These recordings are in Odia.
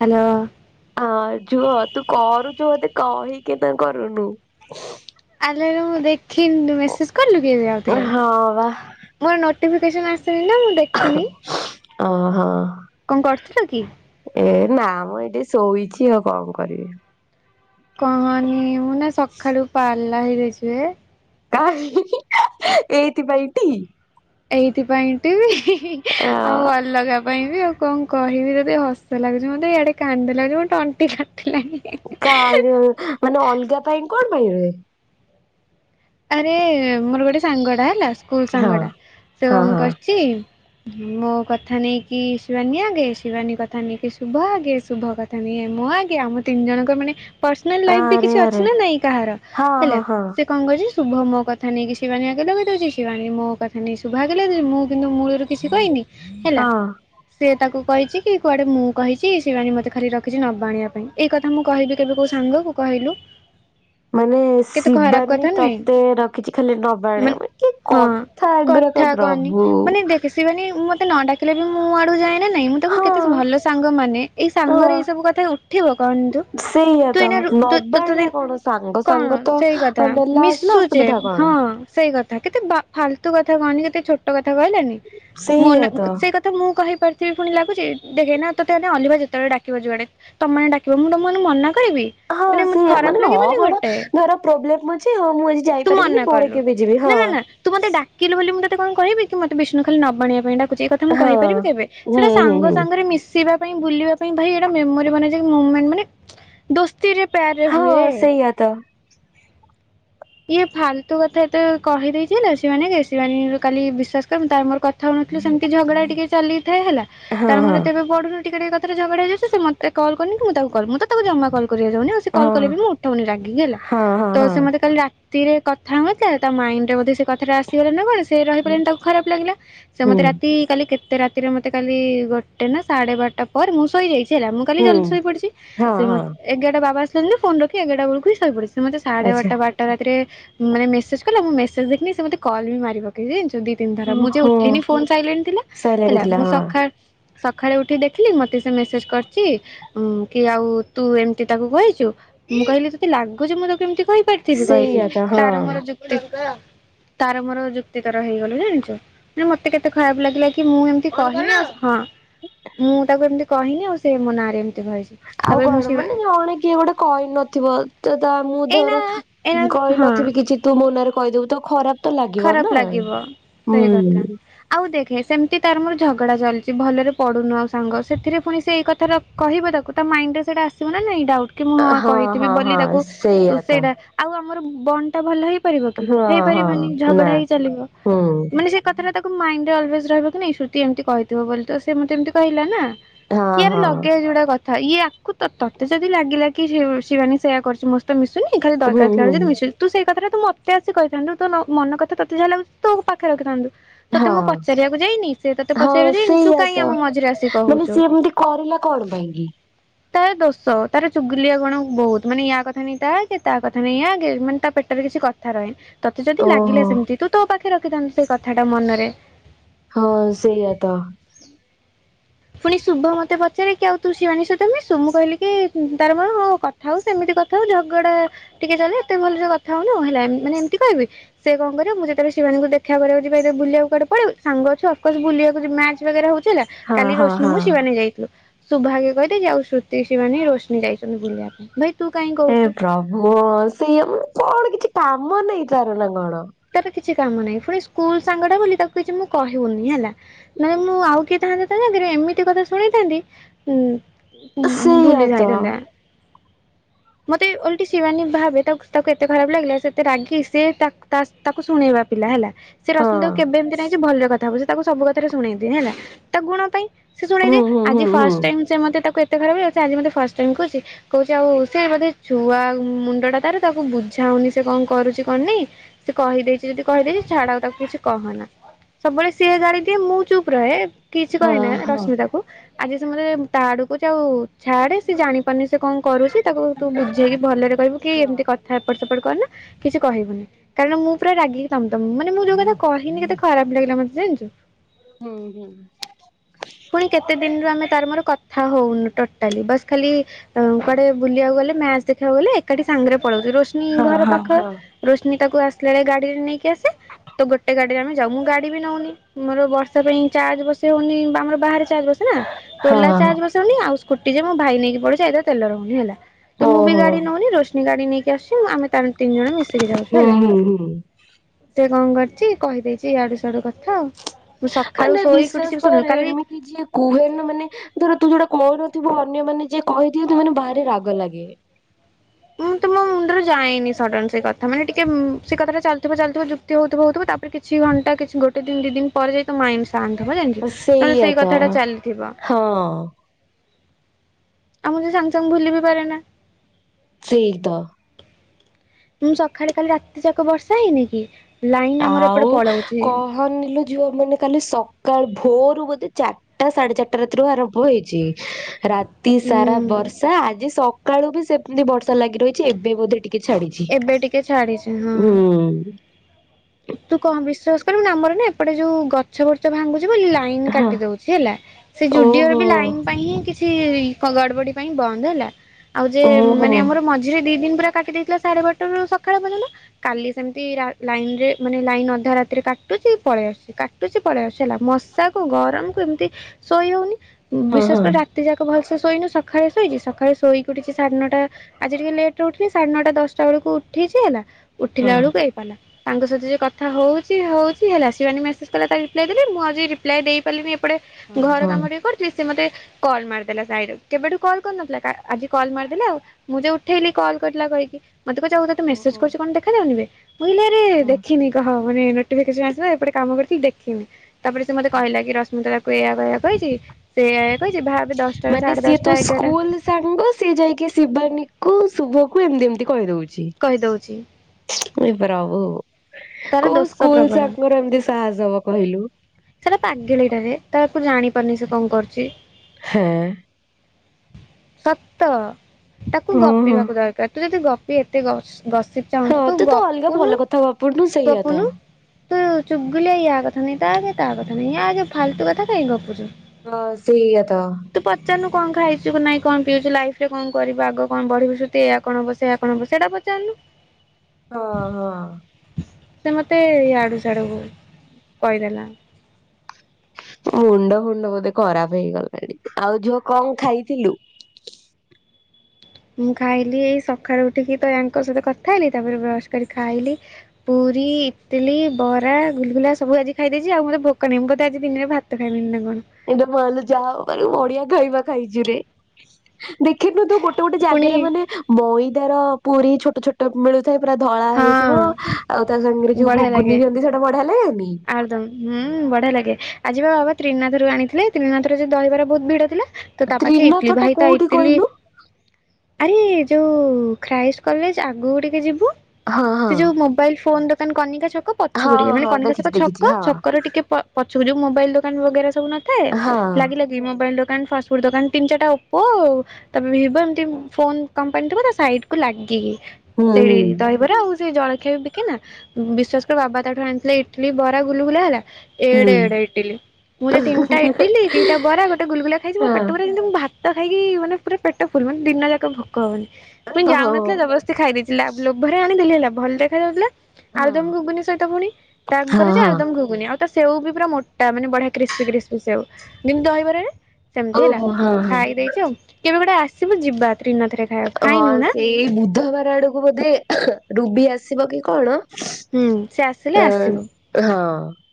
ହ୍ୟାଲୋ। ହଁ ଝୁଅ ତୁ କରୁଛୁ ମତେ କହିକିନା କରୁନୁ। ଆଲୋ ଆଲୋ ମୁଁ ଦେଖିନି। ମେସେଜ କଲୁ କି ଏବେ ଆ ଉଇ ହଁ ବା। ମୋ ନୋଟିଫିକେସନ ଆସି ଥିଲାନା ତ ମୁଁ ଦେ ଓହୋ। କଣ କରୁଥିଲୁ କି? ଏ ନା ମୁଁ ଏଇଠି ଶୋଇଛି ଆଉ କଣ କରିବି। କହନି ମୁଁ ନା ସକାଳୁ ପାଲା ହେଇଯାଇଛି ବେ। କାହିଁକି ଏଇଥିପାଇଁ ଟି। ଏଇଥିପାଇଁ ଟି ଅ ଆଉ ଅଲଗା। କହିବି ଆଉ କଣ କହିବି ତତେ ହସ ଲାଗୁଛି ମୋତେ ଆଡେ କାନ୍ଦ ଲାଗୁଛି। ମୋ ତଣ୍ଟି କାଟିଲାଣିି। କାନ୍ଦେନି। ମାନେ ଅଲଗା ପାଇଁ କଣ ପାଇଁ ରୁହେ? ଆରେ ମୋର ଗୋଟେ ସାଙ୍ଗଟା ହେଲା ସ୍କୁଲ ହଁ ସାଙ୍ଗଟା ସେ ହଁ କଣ ହଁ କରଛି ମୋ କଥା ନେଇକି ଶିବାନୀ ଆଗେ ଶିବାନୀ କଥା ନେଇକି ଶୁଭ ଆଗେ। ଶୁଭ କ ଥା ନେଇକି ମୋ ଆଗେ ଆମ ତିନି ଜଣଙ୍କର ମାନେ ପର୍ସନାଲ ଲାଇଫ ବି ଆରେ କିଛି ଅଛି ଆରେ ନା ନାଇଁ କାହାର ହଁ ହେଲା। ହଁ ହଁ ସେ କଣ କରଛି ଶୁଭ ମୋ କଥା ନେଇକି ଶିବାନୀ ଆଗେରେ ଲଗେଇଦଉଛି ଶିବାନୀ ମୋ କଥା ନେଇ ଶୁଭ ଆଗେରେ ଲଗେଇଦୋଉଚି। ମୁଁ କିନ୍ତୁ ମୂଳରୁ କିଛି କହିନି। ହେଲା। ହଁ। ସେ ତାକୁ କହିଛି କି କୁଆଡେ ମୁଁ କହିଛି ଶିବାନୀ ମତେ ଖାଲି ରଖିଛି ନବା ଆଣିବା ପାଇଁ ଏଇ କଥା ମୁଁ କହିବି କେବେ କୋଉ ସାଙ୍ଗକୁ। କହିଲୁ? ମାନେ କେତେ ଖରାପ ଶିବାନି କଥା ନୁହେଁ ତତେ ରଖିଛି ଖାଲି ନ ବାଡ଼େଇବା ମାନେ ପାଇଁ କି ହଁ କଥା ଏଗୁରାକ କଥା କହନି ପ୍ରଭୁ। ମାନେ ଦେଖେ ଶିବାନୀ ମତେ ନ ଡାକିଲେବି ମୁଁ ଆଡ଼ୁ ଯାଏନି। ନା ନାଇଁ ମୁଁ ତାକୁ ହଁ କେତେ ଭଲ ସାଙ୍ଗ ମାନେ ଏଇ ହଁ ସାଙ୍ଗରେ ଏଇ ସବୁ କଥା ଉଠିବ କଣନ୍ତୁ। ସେଇଆ ତୁ ତ ଏଇନା ନବା ରୁ-ତୁ-ତୁ-ତୁ-ଦେ ଆଣିବା କଣ ସାଙ୍ଗ କଣ ସାଙ୍ଗ ତ ସେଇ କଥା ନେଲା ଆଣିଲା ମିଶୁଛେ ଅସୁବିଧା କଣ? ହଁ। ହଁ ସେଇ କଥା କେତେ ବା-ଫାଲତୁ କଥା କହନି କେତେ ଛୋଟ କଥା କହିଲାନି। ମୋନା ସେଇଆ ତ। ସେଇ କଥା ତ ମୁଁ କହିପାରଥିବି ପୁଣି ଲାଗୁଛି ଦେଖେ ନା ତତେ ଅଲଗା ଯେତେବେଳେ ଡାକିବ ଯୁଆଡେ। ତମେ ଡାକିବ ମୁଁ ତମାନଙ୍କୁ ମନା କରିବି। ହଁ ମାନେ ମତେ ସେଇଆ ଖରାପ ମାନେ ହଁ ଲାଗିବନି କଣ ଗୋଟେ ଧର ପ୍ରୋବ୍ଲେମ ଅଛି ଆ ମୁଁ ଆଜି ତୁ ମନା ଯାଇପାରିବିନି ପରେ କଲୁ। କେବେ ଯିବି ନା ହଁ। ନା ନା ତୁ ମତେ ଡାକିଲୁ ବୋଲି ମୁଁ ତତେ କହିବି ମତ ବିଷ୍ଣୁ ଖାଲି ନବା ଆଣିବା ପାଇଁ ଡାକୁଛି। ତୁ ତ ମୁଁ ହଁ କହିପାରିବି କେବେ ହୁଁ ସେଇଟା ହୁଁ ସାଙ୍ଗ ହୁଁ ସାଙ୍ଗରେ ମିଶ ଶିବା ପାଇଁ ବୁଲିବା ପାଇଁ ଭାଇ ଏଇଟା ମେମୋରି ବନା ଯାଇ ମୁମେଣ୍ଟ ମାନେ ଦୋସ୍ତିରେ ପ୍ୟାରେ ହଁ ସେଇଆ ତ। ଇଏ ଫାଲତୁ କଥା ଯେତେବେଳେ କହିଦେଇଛି ନା ଶିବାନୀ ଶିବାନୀ ମାନେ କାଲି ବିଶ୍ଵାସ କର ତାର ମୋର କର କଥା ହୋଉନଥିଲୁ ସେମିତି ଝଗଡା ଟିକେ ଚାଲି ଥାଏ ହେଲା। ହଁ ତାର ମୋର ହଁ ଏତେ ଏବେ ପଡୁନି ଟିକେ ଟିକେ କଥା ଝଗଡା ହେଇଯାଉଛି। ସେ ମତେ କଲ୍ କରୁନି କି ମୁଁ ତାକୁ କଲ୍ ମୁଁ ତ ତାକୁ ଜମା କଲ୍ କରିବାକୁ ଯାଉନି ଆଉ ସେ କଲ୍ ହଁ। କଲେ ମୁଁ ଉଠଉନି ରାଗିକି ହେଲା। ହଁ ହଁ ତ ହଁ ସେତେ କାଲି ରା ସ୍ତିରେ କଥା ହୋଉନଥିଲା। ତା ମାଇଣ୍ଡ ରେ ବଧେ ସେ କଥାଟା ଆ ଇଏରେ ନା କଣ ସେ ରହି ପାଇଲାନି ତାକୁ ଖରାପ ଲାଗିଲା। ସେ ହୁଁ ମତେ ରାତି କାଲି କେ ମତେ ରାତିରେ ମତେ କାଲି ଗୋଟେ ନା ସାଢେ ବାରଟା ପରେ ମୁଁ ଶୋଇଯାଇଛି। ସି ହେଲା ମୁଁ କାଲି ହୁଁ ଜଲ୍ଦି ଶୋଇ ପଡ଼ିଛି। ହଁ ସେ ହଁ ମତେ ଏଗାରଟା ବାବା ଆସିଲେ ଯେମିତି ଫୋନ୍ ରଖିକି ଏଗାରଟା ବେଳକୁ ହିଁ ଶୋଇ ପଡ଼ିଛି। ସେ ମତେ ସାଢେ ଆଚ୍ଛା। ବାରଟା ବାରଟା ରାତିରେ ମାନେ ମେସେଜ କଲା ମେସେଜ ଦେଖି ସେତେ କଲ୍ ବି ମାରିବ। କାଇଁ ଜାଣିଛୁ ଦି ତିନି ଥର ମୁଁ ଯେ ଓହୋ ଉଠେଇନି ଫୋନ୍ ସାଇଲେଣ୍ଟ ଥିଲା। ସାଇଲେଣ୍ଟ ହେଲା ଥିଲା ମୁଁ ଯେ ହଁ। ସ ସକାଳେ ଉଠି ଦେଖିଲି ମୋତେ ସେ ମେସେଜ୍ କରିଛି। ଉଁ କି ଆଉ ତୁ ଏମିତି ତାକୁ କହିଛୁ। ମୁଁ କହିଲି ତତେ ଲାଗୁଛି ମୁଁ ତାକୁ ଏମିତି କହିପାରି ଥିବି କହିକି ସେଇଆ ତ ହଁ ତାର ମୋର ଯୁକ୍ତି ତାର ମୋର ଯୁକ୍ତିତର ହେଇଗଲୁ ଜାଣିଛୁ। ମତେ କେତେ ଖରାପ ଲାଗିଲା କି ମୁଁ ଏମତି କହନି ହଁ। ମୁଁ ତାକୁ ଏମତି କହିନି ଆଉ ସେ ମୋ ନାଁ ରେ ଏମିତି କହିଛି। ଆଉ ତାପରେ ମୁଁ କଣ ସେ ମାନେ ଜଣେ କିଏ ଗୋଟେ କହି ନଥିବ ତ ତା ମୁଁ ଏଇନା ଧର ଏଇନା ହଁ କହିନଥିବି କିଛି ତୁ ମନରେ କହିଦେବୁ ତ ଖରାପ ତ ଲାଗିବ ଖରାପ ନା ଲାଗିବ ସେଇ ହୁଁ। କଥା। ଆଉ ଦେଖେ ସେମିତି ତାର ମୋର ଝଗଡା ଚାଲିଛି ଭଲରେ ପଡୁନୁ ଆଉ ସାଙ୍ଗ ସେଥିରେ ପୁଣି ସେ ଏଇ କଥା ର କହିବ ତାକୁ ତା ମାଇଡରେ ସେଟା ଆସିବ ନା ନାଇଡାଉଟ କି ମୁଁ ହଁ କହିିବି ହଁ ବୋଲି ତାକୁ ହଁ ସେଇଆ ତ ସେଇଟା ଆଉ ଆମର ବନଡ୍ ଟା ଭଲ ହେଇପାରିବ କି ହଁ ହେଇପାରିବନି ହଁ ନା ଝଗଡା ହେଇ ଚାଲିବ ହୁଁ। ମାନେ ସେ କଥାଟା ତାକୁ ମାଇଣ୍ଡ ରେ ଆଲୱେସ ରହିବ କିଁ ସ୍ମୁତିମିତି କହିଥିବ ବୋଲି ତ ସେ ମତେ ଏମିତି କହିଲା ନା। ହଁ ୟାର ହଁ ଲଗେଇ ଯୋଉଡା କଥା ଇଏ ଆକୁ ତତେ ଯଦି ଲାଗିଲା କି ଶିବାନି ସେୟା କରିଛି ମ ତ ମିଶୁନି ଖାଲି ହୁଁ ଦରକାର ହୁଁ ଥିଲାବେଳେ ଯଦ ମିଶୁ ତୁ ସେ କଥା ତୁଁ ମତେ ଆସି କହିଥାନ୍ତୁ ତ ମନ କଥା ତତେ ଯାହା ଲାଗୁଛି ତୋ ପାଖରେରଖିଥାନ୍ତୁ ତତେ ମୁ ହଁ। ପଚାରିବାକୁ ଯାଇନି ସେ ତୋତେ ହଁ ପଚାରିବାକୁ ଯାଇନି ତୁ ସେଇଆ କାହିଁ ତ ଆମ ମଝରି ଅସୁ ମାନେ ସିଏ ଏମତି କରିଲା କଣ ପାଇଁ କି? ତାର ଦୋଷ ତାର ଚୁଗୁଲିଆ କଣ ବହୁତ ମାନେ ୟା କଥା ନାଇଁ ତା ତା କଥା ନାଇଁ ମାନେ ତା ପେଟରେ କିଛି କଥା କଥା ରହେ ତୋତେ ଯଦି ଓହୋ ଲାଗିଲା ସେମିତି ତୁ ତୋ ପାଖେ ରଖିଥାନ୍ତୁ ସେଇ କଥାଟା ମନରେ। ହଁ ସେଇଆ ତ। ପୁଣି ଶୁଭ ମତେ ପଚାରେ କି ଆଉ ତୁ ଶିବାନୀ ସହିତ ମିଶୁ ମୁ କହିଲି କି ତାର ମର କଥା ହଉ ସେମିତି କଥା ହଉ ଝଗଡା ଟିକେ ଚାଲ ଏତେ ଭଲରେ କଥା ହଉନି ଆଉ ହେଲେ ମାନେ ଏମିତି କହିବି। ସେ କଣ କରିବ ମୁଁ ଯେତେବେଳେ ଶିବାନୀଙ୍କୁ ଦେଖା କରିବାକୁ ବଲିବାକୁୁଆଡେ କୁଆଡେ ସାଙ୍ଗ ଅଛୁ ଅଫକୋସ ବୁଲିବାକୁ ଯିବୁ ମ୍ୟାଚ୍ ବଗେର ହଉଛି ହେଲା। ହଁ କାଲି ହଁ ରୋଶନୀ ହଁ। ମୁ ଶିବାନୀ ଯାଇଥିଲୁ। ଶୁଭ ଆଗରେ କହିଦେଇଛି ଆଉ ସୃତି ଶିବାନୀ ରୋଶନୀ ଯାଇଛନ୍ତି ବୁଲିବା ପାଇଁ ଭାଇ ତୁ କାହିଁ ଏ କହୁଛୁ। ପ୍ରଭୁ ସେଇମ କଣ କିଛି କାମ ନାଇ ତାର ନା କଣ? ତାର କିଛି କାମ ନାହିଁ ପୁଣି ସ୍କୁଲ ସାଙ୍ଗଟା ବୋଲି ତାକୁ କିଛି ମୁଁ କହିବୁନି ହେଲା। ମାନେ ମୁଁ ଆଉ କିଏ ଥାନ୍ତା ତା ଜାଗାରେ ଏମିତି କଥା ଶୁଣେଥାନ୍ତିଁ ଉ ସେଇଆ ତ। ମତେ ଓଲଟି ଶିବାନୀ ଭାବେ ତା ତାକୁ ଏତେ ଖରାପ ରାଗିଲା ସେତେ ରାଗି ସେ ତା ତା ତାକୁ ଶୁଣେଇବା ପିଲା ହେଲା। ସେ ରଶ୍ମି ହଁ ତାକୁ କେବେ ଏମିତି ନାଇଁ ଯେ ଭଲରେ କଥା ହବ ସେ ତାକୁ ସବୁ କଥାରେ ଶୁଣେଇନ୍ତି ହେଲା ତା ଗୁଣ ପାଇଁ। ସେ ହୁଁ ଶୁଣେଇଦିଏ, ହୁଁ ଆଜି ହୁଁ ହୁଁ। ଫାଷ୍ଟ ଟାଇମ ସେ ମୋତେ ତାକୁ ଏତେ ଖରାପ ଲାଗିଲା ସେ ଆଜି ମତେ ଫାଷ୍ଟଟାଇମ କହୁଛି, କହୁଛି ଆଉ ସେ ବୋଧେ ଛୁଆ ମୁଣ୍ଡ ଟା ତାର ତାକୁ ବୁଝାଅନି ସେ କଣ କରୁଛି କଣ ନାଇଁ। ସେ କହିଦେଇଛି ଯଦି କହିଦେଇଛି ଛାଡ ଆଉ ତାକୁ କିଛି କହନା ସବୁବେଳେ ସିଏ ଗାଳି ଦିଏ ମୁଁ ଚୁପ୍ ରହେ କିଛି କହେନା ହଁ ହଁ ରଶ୍ମିତା କୁ। ଆଜି ସେ ମୋତେ ତା ଆଡ଼ୁ କହୁଛି ଆଉ ଛାଡେ ସେ ଜାଣିପାରୁନି ସେ କଣ କରୁଛି ତାକୁ ତୁ ବୁଝେଇକି ଭଲରେ କହିବୁ କି ହଁ ଇମିତି କଥା ଏପଟ ସେପଟ କରନା କିଛି କହିବୁନି। କାରଣ ମୁଁ ପୁରା ରାଗିକି ତମ ତମ ମାନେ ମୁଁ ଯୋଉ କଥା କହିନି କେତେ ଖରାପ ଲାଗିଲା ମତେ ଜାଣିଛୁ? ହୁଁ ହୁଁ [inaudible] ପୁଣି କେତେ ଦିନରୁ ଆମେ ତାର ମୋର କଥା ହଉନୁ ଟୋଟାଲି ବସ୍ ଖାଲି କୁଆଡେ ବୁଲିଆକୁ ଗଲେ ମ୍ୟାଚ ଦେଖିବାକୁ ଗଲେ ଏକାଠି ସାଙ୍ଗରେ ପଳଉଛୁ ରୋଶନୀ ହଁ ଘର ହଁ ପାଖ। ହଁ ରୋଶନି ତାକୁ ଆସିଲା ବେଳେ ଗାଡିରେ ନେଇକି ଆସେ ତ ଗୋଟେ ଗାଡିରେ ଆମେ ଯାଉ ମୁଁ ଗାଡି ବି ନଉନି। ମୋର ବର୍ଷା ପାଇଁ ଚାର୍ଜ ବସେଇ ହଉନି ଆମର ବାହାରେ ଚାର୍ଜ ବସେ ହେଲା ଟୋଲା ହଁ ଚାର୍ଜ ବସଉନି ଆଉ ସ୍କୁଟି ଯେ ମୋ ଭାଇ ନେଇକି ପଳଉଛି ଏଥିରେ ତେଲ ରହୁନି ହେଲା। ତ ମୁଁ ବି ଓହୋ ଗାଡି ନଉନି ରୋଶନୀ ଗାଡି ନେଇକି ଆସୁଛି ଆମେ ତାର ତିନି ଜଣ ମିଶିକି ଯାଉଛୁ ହୁଁ ହେଲା। ହୁଁ ହୁଁ ସେ କଣ କରିଛି କହିଦେଇଛି ଇଆଡୁ ସିଆଡୁ କଥା ଆଉ, ମୁଁ ସଖାଳୁ ମାନେ ଶୋଇକି ଉଠି ବିଶେଷ କି ଶୁଣିଲି କରେ କାଲି ଏମିତି ଯିଏ କୁହେନା ମାନେ ଧର ତୁ ଯୋଉଟା କହୁନଥିବୁ ଅନ୍ୟମାନେ ଯିଏ କହିଦିଅନ୍ତି ମାନେ ଭାରି ରାଗ ଲାଗେ। ମୁଁ ତ ମୋ ମୁଣ୍ଡିରେ ଯାଏନି ସଡନ ସେ କଥା ମାନେ ଟିକେ ସେ କଥା ଟା ଚାଲିଥିବା ଚାଲିଥିବା ଯୁକ କ୍ତି ହଉଥିବ ହଉଥିବ ତାପରେ କିଛି ଘଣ୍ଟ କିଛି ଗୋଟେ ଦି ଦିନ ପରେ ଯାଇ ତ ମାଇଣ୍ଡି ତା ଜାଣିଛୁ ଧର ସେଇଆ ସେଇ ତ କଥା ଟା ଚାଲିଥିବ। ହଁ। ଆଉ ମୁଁ ସେ ସାଙ୍ଗେ ସାଙ୍ଗେ ଭୁଲି ବିି ପାରେନା। ସେଇତ। ମୁଁ ସଖାଳେ କାଲି ରାତି ଯାକ ବର୍ଷା ହେଇନି କି? ଲାଇନ ଆମର ଏପଟେ ପଳଉଛି। ହଁ ନିଲୁ ଯିବ ମାନେ କାଲି ସକାଳୁ ଭୋରୁ ବୋଧେ ଚାର ଟା ସାଢେ ଚାରିଟା ରାତିରୁ ଆରମ୍ଭ ହେଇଛି। ରାତି ସାରା ଉଁ ବର୍ଷା ଆଜି ସକାଳୁ ବି ସେମିତି ବର୍ଷା ଲାଗି ରହିଛି ଏବେ ବୋଧେ ଟିକେ ଟିକେ ଛାଡିଛି। ଏବେ ଟିକେ ଛାଡିଛି ହୁଁ ହଁ। ତୁ କହ ବିଶ୍ୱାସ କରିବୁନି ଆମର ନା ଏପଟେ ଯୋଉ ଗଛ ପଛ ଭାଙ୍ଗୁଛି ବୋଲି ଲା ଲାଇନ୍‌ ହଁ କାଟି ଦଉଛି ହେଲା। ସେ ଜୁଡିଓ ରେ ଓହୋ ବି ଲାଇନ୍‌ ପାଇଁ ହିଁ କିଛି କ ଗଡ଼ବଡି ପାଇଁ ବନ୍ଦ ହେଲା ଆଉ ଯେ ମାନେ ଓହୋ। ଆମର ମଝି ଝିରେ ଦି ଦିନ ପୁରା କାଟି ଦେଇଥିଲା ସାଢେ ବାରଟା ରୁ ସକାଳ ପର୍ଯ୍ୟନ୍ତ କାଲି ସେମିତି ଲାଇନ ରେ ମାନେ ଲାଇନ୍ ଅଧା ରାତିରେ କାଟୁଛି ପଳେଇ ଆସୁଛି କାଟୁଛି ପଳେଇ ଆସୁଛି ହେଲା ମଶାକୁ ଗରମକୁ ଏମିତି ଶୋଇ ହଉନି ହଁ ବିଶ୍ୱାସ ହଁ କର୍ ରାତ ରାତି ଯାକ ଭଲସେ ଶୋଇନୁ ସକାଳେ ଶୋଇଛି ସକାଳେ ଶୋଇକି ଉଠିଛି ସାଢେ ନଅଟା ଆଜି ଟିକେ ଲେଟ୍ ରେ ଉଠିଲି, ସାଢେ ନଅଟା ଦଶଟା ବେଳକୁ ଉଠିଛି ହେଲା, ହଁ ଉଠିଲା ବେଳକୁ ଏଇ ପାଲା। ତାଙ୍କ ସହିତ ଯେ କଥା ହଉଛି ହଉଛି ହେଲା। ଶିବାନୀ ମେସେଜ କଲା ତା ରିପ୍ଲାଏ ଦେଲେ ମୁଁ ଆଜି ରିପ୍ଲାଏ ଦେଇପାରିଲିନି ପଟେ ହଁ ଘର ହଁ। କାମ ଟିକେ କରୁଚି, ସେ ମତେ କଲ୍ ମାରଦେଲା ସାଇଡ୍‌ରୁ କେବେଠୁ କଲ୍ କରିନଥିଲା ଆଜି କଲ୍ ମାରିଦେଲେ ଆଉ। ମୁଁ ଯେ ଉଠେଇଲି କଲ୍ କରିଥିଲା କହିକି, ମତେ କହୁଛି ତତେ ମେସେଜ ଓହୋ। କରୁଛି କଣ ଦେଖାଯାଉନି! ! ! ମୁଁ କହିଲି ଆରେ ହଁ ମାନେ ନୋଟିଫିକେସନ ଆସିଲା ଏପଟେ କାମ କରୁଥିଲି ଦେଖିନି, ତାପରେ ସେ ମୋତେ କହିଲା କି ରଶ୍ମିତା ଏଇଆ କୁ ଏଇଆ କହିଛି, ସେଇଆ ଏଇଆ କହିଛି ଭାବେ ଦଶଟାରୁ ମାନେ ସାଢେ ସିଏ ତୋ ଦଶଟା ଏଗାରଟା। ସ୍କୁଲ ସାଙ୍ଗ ସିଏ ଯାଇକି ଶିବାନୀକୁ, ଶୁଭ କୁ ଏମତି ଏମତି କହିଦଉଛି। କହିଦଉଛି ଏ ପ୍ରଭୁ, ତାର କୋଉ ଦୋଷ ସ୍କୁଲ ପ୍ରବଳ ସାଙ୍ଗର ଏମିତି ସାହସ ହବ କହିଲୁ? ସେଟା ପାଗେଳିଟାରେ ତା କୁ ଜାଣିପାରୁନି ସେ କଣ କରୁଛି? ହେଁ ସତ, ତାକୁ ଓହୋ ଗପିବାକୁ ଦରକାର ତୁ ଯଦି ଗପି ଏତେ ଗଷ ଗସିପ୍ ହଁ ଚାହୁଁଛୁ ତୁ ତ ଅଲଗା ଭଲ ଗପୁନୁ କଥା ଗପୁନୁ ସେଇଆ ତ। ଗପୁନୁ। ତୁ ଚୁଗୁଲେଇ ୟା କଥା ନେଇଁ ତା ଆଗରେ, ତା କଥା ନେଇଁ ୟା ଆଗରେ, ଫାଲତୁ କଥା କାଇଁ ଗପୁଛୁ। ହଁ ସେଇଆ ତ। ତୁ ପଚାରୁୁନୁ କଣ ଖାଇଛୁ କି ନାଇଁ? କଣ ପିଉଛୁ ଲାଇଫ୍ ରେ କଣ କରିବୁ, ଆଗ କଣ ବଢିବୁ, ସୃତି ଏଇଆ କଣ ହବ, ସେଇଆ କଣ ହବ, ସେଇଟା ପଚାରୁନୁ। ହଁ ହଁ ସେ ମତେ ଇଆଡୁ ସିଆଡୁ କହିଦେଲା। ମୁଣ୍ଡ, ଫୁଣ୍ଡ ବୋଧେ ଖରାପ ହେଇଗଲାଣି। ଆଉ ଝିଅ କଣ ଖାଇଥିଲୁ? ମୁଁ ଖାଇଲି ଏଇ ସକାଳୁ ଉଠିକି ତ ୟାଙ୍କ ସହିତ କଥା ହେଲି, ତାପରେ ବ୍ରସ୍ କରି ଖାଇଲି। ପୁରୀ, ଇଟଲିି, ବରା, ଗୁଲଗୁଲା ସବୁ ଆଜି ଖାଇଦେଇଛି, ଆଉ ମୋତେ ଭୋକ ନାହିଁ। ମୁଁ ବୋଧେ ଆଜି ଦିନରେ ଭା ତ ଖାଇବିନି ନା କଣ? ଏଜ ମାଲୋ ଯାହା ହଉ ମାନେ ବଢିଆ ଖାଇବା ଖାଇଛୁରେ। ଦେଖିନୁ ତୁ ଗୋଟେ ଗୋଟେ ପୁଣି ଜାଗାରେ ମାନେ ମଇଦାର ପୁରୀ ଛୋଟ ଛୋଟ ମିଳୁ ଥାଏ ପୁରା ଧଳା ହଁ ହେଇଥିବ, ଆଉ ତା ସାଙ୍ଗରେ ଯୋଉ ବଢିଆ ଲାଗେ ଗୁଗୁନି ଦିଅନ୍ତି ସେଇଟା ବଢିଆ ଲାଗେନି? ଆଳୁଦମ୍ ହୁଁ ବଢିଆ ଲାଗେ। ଆଜି ବା ବାବା ତ୍ରିନାଥ ରୁ ଆଣିଥିଲେ ତ୍ରିନାଥରେ ଯୋଉ ଦହିବାର ବହୁତ ଭିଡ ଥିଲା। ତ ତା ପାଖେ ଇଟଲି, ତ୍ରିନାଥ ଟା ଭାଇ ତା କୋଉଠି ଇଟିଲି କହିଲୁ? ଆରେ ଯୋଉ ଖ୍ରାଇଷ୍ଟ କଲେଜ ଆଗକୁ ଟିକେ ଯିବୁ ହଁ ହଁ ହଁ ସେ ଯୋଉ ମୋବାଇଲ ଫୋନ ଦୋକାନ କନିକା ଛକ ପଛୁକୁ ଟିକେ, ହଁ ମାନେ ହଁ କନିକା ଛକ ଦେଖିଛି ଛକ, ଦେଖିଛି ହଁ ଛକର ଟିକେ ପ ପଛୁକୁ ଯୋଉ ମୋବାଇଲ ଦୋକାନ ବଗେରା ସବୁ ନଥାଏ ହଁ ଲାଗି ଲାଗି ସେ ମୋବାଇଲ ଦୋକାନ, ଫାଷ୍ଟଫୁଡ୍ ଦୋକାନ, ତିନି ଚାରିଟା ଓପୋ ତପରେ ଭିବୋ ଏମତି ଫୋନ କମ୍ପାନୀ ଥିବ ତା ସାଇଟ୍ କୁ ଲାଗିକି, ସେଇଠି ହୁଁ ଦହିବରା ଆଉ ସେ ଜଳଖିଆ ବି ବିକେନା ବିଶ୍ୟାସ କର ବାବା ତାଠୁ ଆଣିଥିଲେ ଇଟିଲି, ବରା, ଗୁଲୁଗୁଲା ହେଲା ହୁଁ। ଏଡେ ଏଡେ ଇଟିଲି, ମୁଁ ଯେ ତିନିଟା ଇଟିଲି, ଦିଟା ବରା, ଗୋଟେ ଗୁଲଗୁଲା ଖାଇଛି ମୋ ପେଟ ପୁରା ଯେନ୍ତି ମୁଁ ଭା ତ ଖାଇକି ମାନେ ପୁରା ପେଟ ଫୁଲ୍, ମାନେ ଦିନଯାକ ଭୋକ ହବନି, ପୁଣି ହୁଁ ହଁ ହଉ ହଁ ହଁ ଯାଉନଥିଲା ଜବରଦସ୍ତି ଖାଇଦେଇଥିଲା ଲୋଭରେ ଆଣିଥିଲି ହେଲା ଭଲ ଦେଖା ଯାଉଥିଲା ଆଳୁଦମ୍, ହଁ। ଗୁଗୁନି ସହିତ ପୁଣି, ତାଙ୍କର ଯେ ଆଳୁଦମ୍, ଗୁ ଗୁନି ଆଉ ତ ସେଉ ବି ପୁରା ମୋଟା ମାନେ ବଢିଆ କ୍ରିସ୍ପି କ୍ରିସ୍ପି ସେଉ ଯେମିତି ଦହିବରାରେ ସେମତି ହେଲା, ଓହୋ ହଁ ହଁ ଖାଇ ଦେଇଛି ଆଉ କେବେ ଗୋଟେ ଆସିବୁ ଯିବା ତ୍ରିନାଥରେ। ଖାଇବାକୁ ଖାଇନୁ ହଁ ନା? ସେଇ ବୁଧବାର ଆଡକୁ ବୋଧେ ରୁବି ଆସିବ କି କଣ ହୁଁ ସେ ଆସିଲେ ଆସିବୁ। ଅ ହଁ।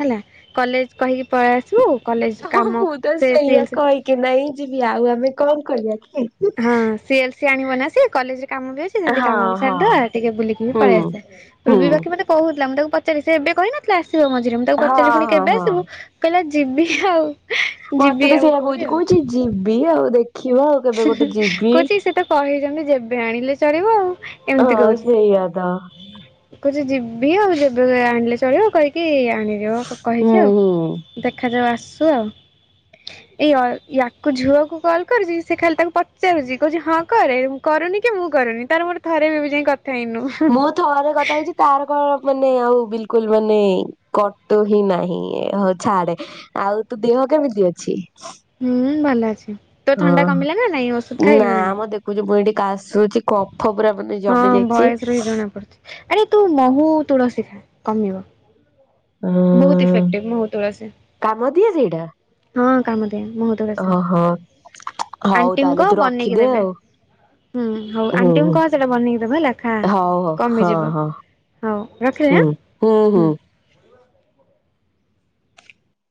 ହେଲା କଲେଜ୍ କହିକି ପଳେଇ ଆସିବୁ କଲେଜ କାମ ସେ ସିଲ୍ସ କି ନାଇଁ ଯିବି ଆଉ ଆମେ କଣ କରିବା କି? ହଁ ସିଏଲସ ସିଏ ଆଣିବ ନା ସିଏ କଲେଜରେ କାମ ବି ଅଛି ସେମିତି କାମ ହଁ ବି ହଁ ସାରିଦବା ଟିକେ ବୁଲିକି ବି ପଳେଇ ହୁଁ ଆସିବା, ହୁଁ। ରୁବୀ ବାକି ମତେ କହୁଥିଲା ମୁଁ ତାକୁ ପଚାରିଲି ସେ ଏବେ କହିନଥିଲା ଆସିବ ମଝିରେ ମୁଁ ତାକୁ ହଁ ପଚାରିଲି ପୁଣି ହଁ କେବେ ହଁ ଆସିବୁ କହିଲା ଯିବି ଆଉ। ମତେ ଯିବି ବି ଆଉ ସେଇଟା କହୁଛି କହୁଛି ଯିବି ଆଉ ଦେ ହୁଁ ହୁଁ କହୁଛି ସେ ତ କହିଛନ୍ତି ଯେବେ ଆଣିଲେ ଚଳିବ ଆଉ। ଏମତି ହଁ କହୁଛି। ସେଇଆ ତ କହୁଛି ଯିବି ଆଉ ଯେବେ ଆଣିଲେ ଚଳିବ କରିକି ଆଣିଦବ ହୁଁ କହିଛି ଆଉ। ହୁଁ। ଦେଖାଯାଉ ଆସୁ ଆଉ, ଏଇ ଅ ୟାକୁ ଝୁଅକୁ କଲ୍ କରିବି ସେ ଖାଲି ତାକୁ ପଚାରୁଛି କହୁଛି ହଁ କରେ କରୁନି କି ମୁଁ କରୁନି ତାର ମୋର ଥରେ ବି ଏବେଯାଏ କ ମୁଁ ଥ ରେ କଥା ହେଇଛି ତାର କଣ ମାନେ ଆଉ ବିଲକୁଲ୍ ମାନେ କଟୁ ହିଁ ନାହିଁ ହଉ ଛାଡେ। ଆଉ ତୋ ଦେହ କେମିତି ଅଛି? ହୁଁ ଭଲ ଅଛି। ତୋ ହଁ ଥଣ୍ଡା କମିଲା ନା ନାଇଁ ଔଷୁଧ ଖାଇଲୁ ନା ନାଇଁ? ମୁଁ ଯୋଗୁ ଏଠି କାଶୁଛି କଫ ପୁରା ମାନେ ହଁ ଜମି ଯାଇଛି। ଭଏସ ରୁ ହିଁ ଜଣା ପଡୁଛି। ଆରେ ତୁ ମହୁ ତୁଳସୀ କମିବ। ବହୁତ ଉଁ ଇଫେକ୍ଟିଭ ମହୁ, ତୁଳସୀ। କାମ ଦିଏ ସେଇଟା? ହଁ କାମ ଦିଏ ମ ଓହୋ ହଉ ତାହେଲେ କହ ତୁ ବନେଇକି ରଖିଦେ ଦେବେ ଆଉ। ହୁଁ ହଉ ହୁଁ। ଆଣ୍ଟିଙ୍କୁ କହ ହୁଁ ସେଇଟା ବନେଇକି ଦେବେ ହେଲା ଖା ହଉ ହଉ କମିଯିବ। ହଁ ହଁ ହଉ ରଖିଲି ହୁଁ ହୁଁ ହୁଁ। ଆଁ।